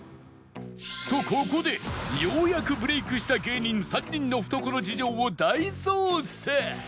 とここでようやくブレイクした芸人３人の懐事情を大捜査！